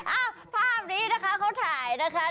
ภาพนี้นะคะเขาถ่ายนะคะ